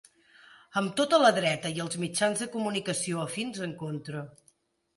Amb tota la dreta i els mitjans de comunicació afins en contra.